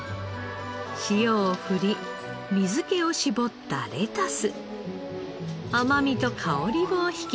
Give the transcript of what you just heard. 塩を振り水気を絞ったレタス。